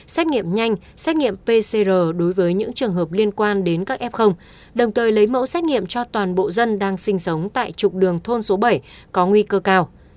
xét nghiệm nhanh xét nghiệm pcr đối với những trường hợp liên quan đến các f đồng thời lấy mẫu xét nghiệm cho toàn bộ dân đang sinh sống tại trục đường thôn số bảy có nguy cơ cao